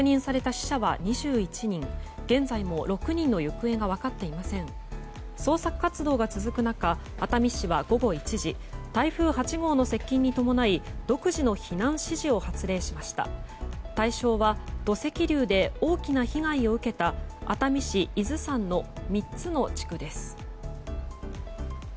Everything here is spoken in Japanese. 対象は土石流で大きな被害を受けた熱海市伊豆山の３つの地区です。